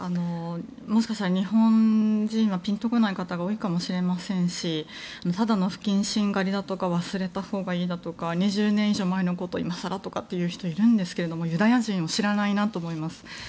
もしかしたら日本人はピンとこない方が多いかもしれませんしただの不謹慎狩りだとか忘れたほうがいいだとか２０年以上前のことを今更とか言う人がいますがユダヤ人を知らないなと思います。